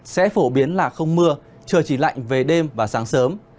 sẽ phổ biến là không mưa trời chỉ lạnh về đêm và sáng sớm